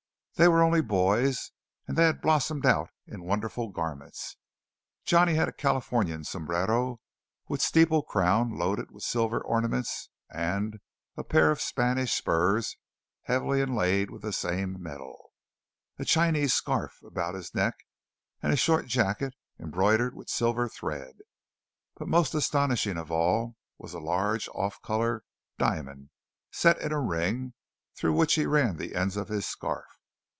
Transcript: They were only boys, and they had blossomed out in wonderful garments. Johnny had a Californian sombrero with steeple crown loaded with silver ornaments, and a pair of Spanish spurs heavily inlaid with the same metal, a Chinese scarf about his neck, and a short jacket embroidered with silver thread. But most astonishing of all was a large off colour diamond set in a ring, through which he ran the ends of his scarf.